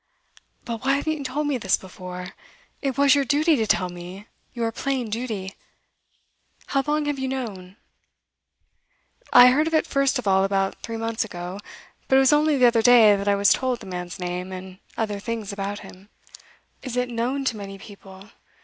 'But why haven't you told me this before? It was your duty to tell me your plain duty. How long have you known?' 'I heard of it first of all about three months ago, but it was only the other day that I was told the man's name, and other things about him.' 'Is it known to many people?